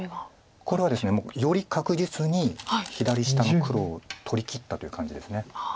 これはですねより確実に左下の黒を取りきったという感じです。